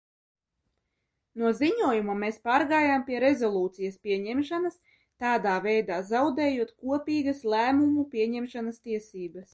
No ziņojuma mēs pārgājām pie rezolūcijas pieņemšanas, tādā veidā zaudējot kopīgas lēmumu pieņemšanas tiesības.